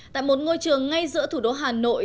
tại một ngôi trường ngay giữa thủ đô hà nội